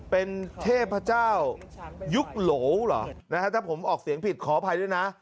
เป็นเทพเจ้ายุคโหลเหรอนะฮะถ้าผมออกเสียงผิดขออภัยด้วยนะ